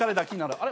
あれ？